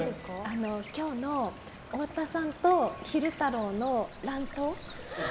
今日の太田さんと昼太郎の乱闘。